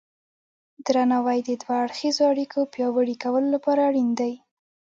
درناوی د دوه اړخیزو اړیکو پیاوړي کولو لپاره اړین دی.